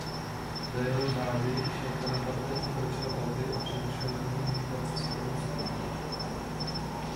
Za jeho zády však Bonaparte překročil Alpy a přerušil jeho komunikace s Rakouskem.